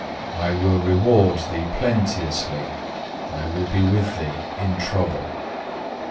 I will reward thee plenteously, I will be with thee in trouble."